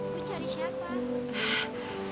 makasih ya pak